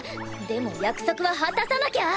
でも約束は果たさなきゃ。